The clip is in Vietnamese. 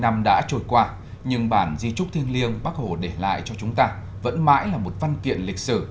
năm mươi năm đã trôi qua nhưng bản di trúc thiên liêng bắc hồ để lại cho chúng ta vẫn mãi là một văn kiện lịch sử